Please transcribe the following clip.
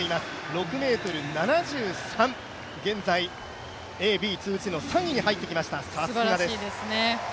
６ｍ７３、現在、Ａ、Ｂ通じての３位に入ってきました、さすがです。